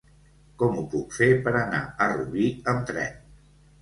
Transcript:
Com ho puc fer per anar a Rubí amb tren?